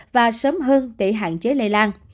và sớm hơn để hạn chế lây lan